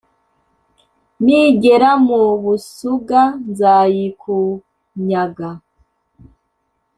nigera mu busuga nzayikunyaga,